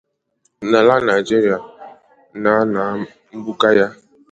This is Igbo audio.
n'ala Nigeria nà ná mpụga ya.